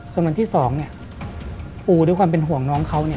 จนวันที่๒ปูด้วยความเป็นห่วงน้องเขา